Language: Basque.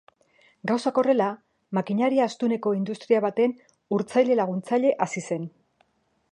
Gauzak horrela, makinaria astuneko industria baten urtzaile laguntzaile hasi zen.